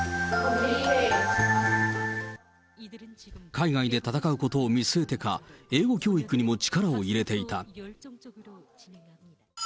海外で戦うことを見据えてか、英語教育にも力を入れていた。